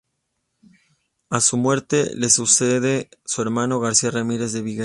A su muerte, le sucede su hermano García Ramírez de Viguera.